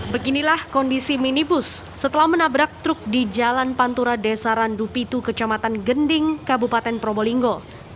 beginilah kondisi minibus setelah menabrak truk di jalan pantura desa randupitu kecamatan gending kabupaten probolinggo